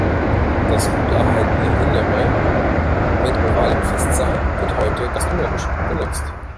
Das gut erhaltene Innere mit ovalem Festsaal wird heute gastronomisch genutzt.